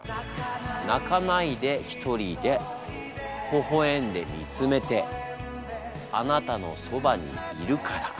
「泣かないでひとりでほゝえんでみつめてあなたのそばにいるから」。